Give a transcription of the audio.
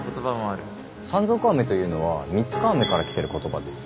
山賊雨というのは三束雨から来てる言葉です。